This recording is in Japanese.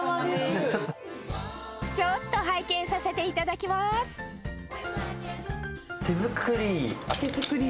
ちょっと拝見させていただき手作り？